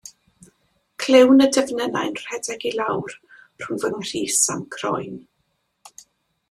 Clywn y defnynnau'n rhedeg i lawr rhwng fy nghrys a'm croen.